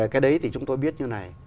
cái đấy thì chúng tôi biết như này